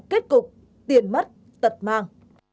kết cục tiền mất tật màng